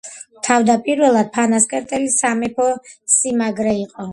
თავდაპირველად ფანასკერტი სამეფო სიმაგრე იყო.